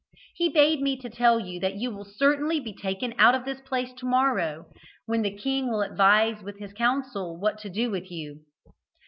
He bade me tell you that you will certainly be taken out of this place to morrow, when the king will advise with his council what to do with you.